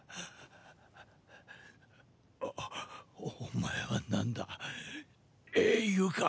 おお前は何だ⁉英雄か⁉